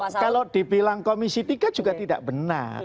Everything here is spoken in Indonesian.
dan sebenarnya kalau dibilang komisi tiga juga tidak benar